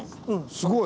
すごい。